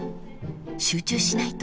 ［集中しないと］